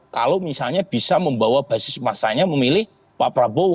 kalau misalnya bisa membawa basis masanya memilih pak prabowo